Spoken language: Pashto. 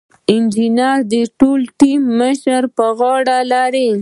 انجینر د ټول ټیم مشري په غاړه لري.